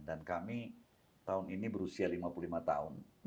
dan kami tahun ini berusia lima puluh lima tahun